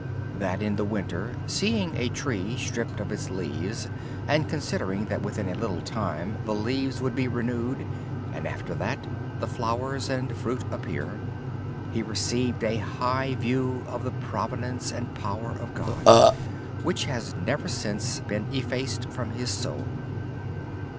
During that winter, upon seeing a tree stripped of its leaves and considering that within a little time the leaves would be renewed and after that the flowers and fruit appear, Brother Lawrence received a high view of the Providence and Power of God which has never since been effaced from his soul.